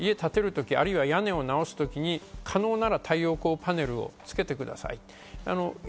家建てる時、あるいは屋根を直すときに可能なら太陽光パネルをつけてください。